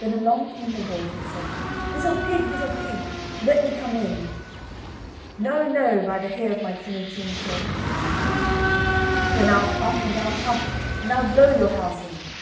Then along came the wolf, and said: "Little pig, little pig, let me come in." "No, no, by the hair of my chiny chin chin." "Then I'll puff, and I'll huff, and I'll blow your house in."